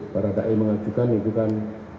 para dae mengajukan itu kan